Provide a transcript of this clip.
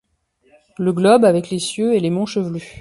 Le globe, avec les cieux, et les monts chevelus